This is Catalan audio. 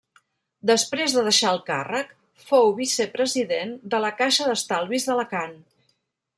Després de deixar el càrrec fou vicepresident de la Caixa d'Estalvis d'Alacant.